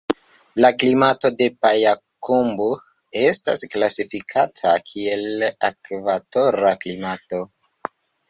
La klimato de Pajakumbuh estas klasifikita kiel ekvatora klimato.